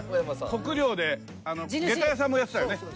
国領で下駄屋さんもやってたよね？